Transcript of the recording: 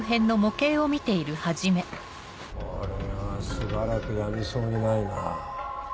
これはしばらくやみそうにないな。